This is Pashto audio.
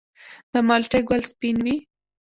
د مالټې ګل سپین وي؟